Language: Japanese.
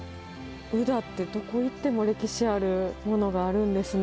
宇陀ってどこ行っても歴史あるものがあるんですね。